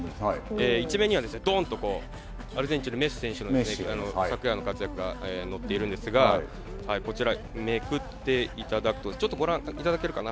一面にはどんとアルゼンチンのメッシ選手の昨夜の活躍が載っているんですが、こちら、めくっていただくと、ご覧いただけるかな？